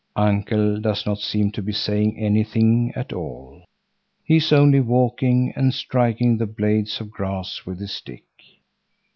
Uncle does not seem to be saying anything at all; he is only walking and striking the blades of grass with his stick.